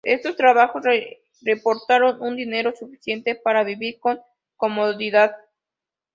Estos trabajos le reportaron un dinero suficiente para vivir con comodidad.